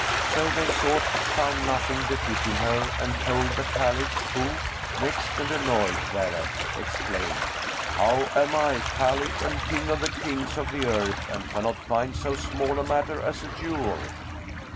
So they sought, but found nothing befitting her and told the Caliph who, vexed and annoyed thereat, exclaimed, "How am I Caliph and King of the Kings of the earth and cannot find so small a matter as a jewel?